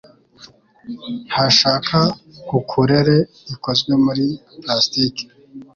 ntashaka ukulele ikozwe muri plastiki.